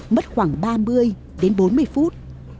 mất khoảng ba mươi đến bốn mươi phút